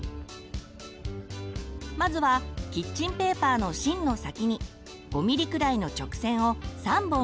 まずはキッチンペーパーの芯の先に５ミリくらいの直線を３本引きます。